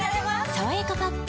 「さわやかパッド」